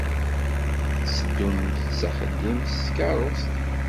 Tetteddumt s axeddim s tkeṛṛust.